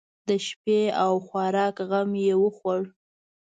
د شپې او خوراک غم یې خوړ.